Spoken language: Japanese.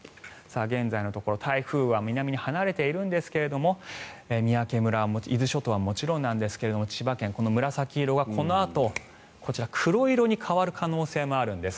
現在のところ台風は南に離れているんですが三宅村、伊豆諸島はもちろんですが千葉県、紫色はこのあと、こちら黒色に変わる可能性もあるんです。